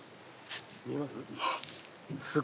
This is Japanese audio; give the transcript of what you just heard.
見えます？